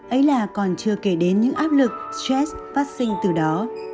ấy là còn chưa kể đến những áp lực stress phát sinh từ đó